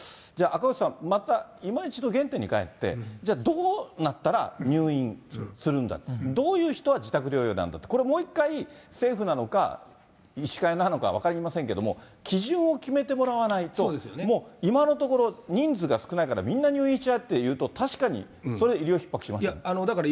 じゃあ、赤星さん、またいま一度原点にかえって、じゃあ、どうなったら入院するんだ、どういう人は自宅療養なんだ、これ、もう一回、政府なのか、医師会なのか分かりませんけども、基準を決めてもらわないと、もう今のところ、人数が少ないから、みんな入院しちゃえというと、確かにそれは医療ひっ迫しますよね。